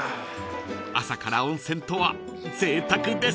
［朝から温泉とはぜいたくです］